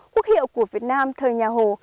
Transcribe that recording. quốc hiệu của việt nam thời nhà hồ